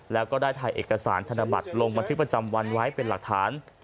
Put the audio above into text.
แล้วก็ได้ถ่ายเอกสารธนบัตรลงบันทึกประจำวันไว้เป็นหลักฐาน